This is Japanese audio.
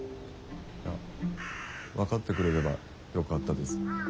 いや分かってくれればよかったです。